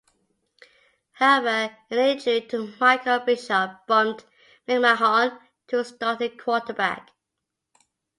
However, an injury to Michael Bishop bumped McMahon to starting quarterback.